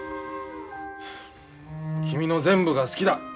君の全部が好きだ。